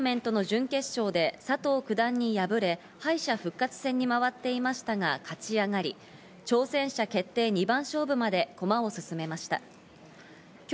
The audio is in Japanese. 藤井五冠は挑戦者決定トーナメントの準決勝で佐藤九段に敗れ、敗者復活戦に回っていましたが勝ち上がり、挑戦者決定二番勝負まで駒を進めました。